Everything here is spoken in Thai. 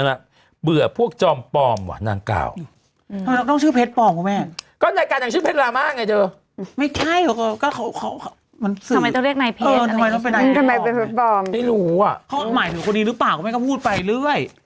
นะฮะเบื่อพวกจอมปอมหว่านางเก่าอืมไม่นอกนอกจะต้องชื่อเพชต์ปอมปูแม่